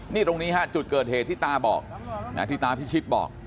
นี่ตรงนี้จุดเกิดเหตุที่ตาพิชิทธ์บอก